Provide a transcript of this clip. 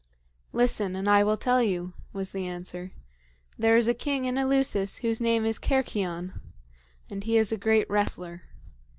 "Listen, and I will tell you," was the answer. "There is a king in Eleusis whose name is Cercyon, and he is a great wrestler.